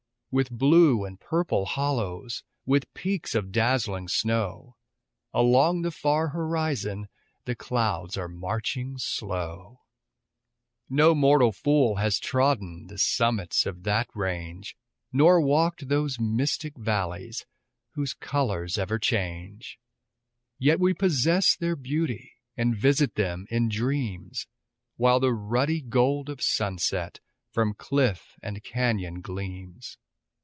With blue and purple hollows, With peaks of dazzling snow, Along the far horizon The clouds are marching slow, No mortal fool has trodden The summits of that range, Nor walked those mystic valleys Whose colors ever change; Yet we possess their beauty, And visit them in dreams, While the ruddy gold of sunset From cliff and canyon gleams.